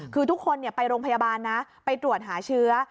คือทุกคนไปโรงพยาบาลนะไปตรวจหาเชื้อ